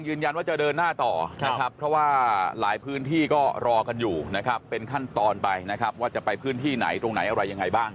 ยืนยันว่าจะเดินหน้าต่อนะครับเพราะว่าหลายพื้นที่ก็รอกันอยู่นะครับเป็นขั้นตอนไปนะครับว่าจะไปพื้นที่ไหนตรงไหนอะไรยังไงบ้าง